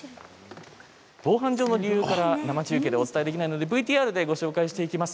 防犯上の理由から生中継でお伝えできないのでＶＴＲでご紹介していきます。